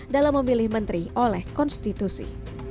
dalam memilih menteri oleh konstitusi